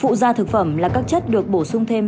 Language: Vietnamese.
phụ da thực phẩm là các chất được bổ sung thêm